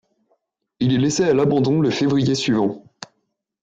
Il est laissé à l'abandon le février suivant.